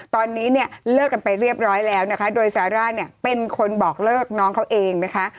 ตอนนี้เนี่ยเลิกกันไปเรียบร้อยแล้วนะคะโดยซาร่าเนี่ยเป็นคนบอกเลิกน้องเขาเองนะคะ